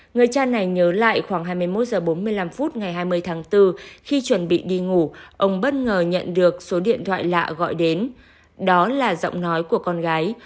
người cha này nhớ lại khoảng hai mươi một h bốn mươi năm phút ngày hai mươi tháng bốn khi chuẩn bị đi ngủ ông bất ngờ nhận được số điện thoại lạ gọi đến đó là giọng nói của con gái